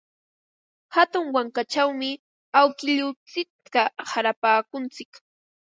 Hatun wankachawmi awkilluntsikta qarapaakuntsik.